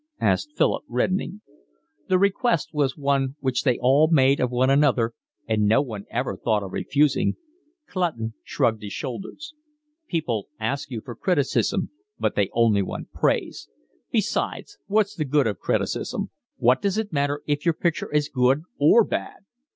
asked Philip, reddening. The request was one which they all made of one another, and no one ever thought of refusing. Clutton shrugged his shoulders. "People ask you for criticism, but they only want praise. Besides, what's the good of criticism? What does it matter if your picture is good or bad?"